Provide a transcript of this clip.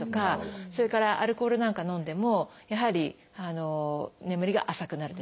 それからアルコールなんか飲んでもやはり眠りが浅くなるですとか